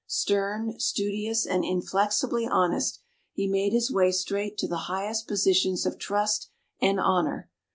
Stern, studious and inflexibly honest, he made his way straight to the highest positions of trust and honor.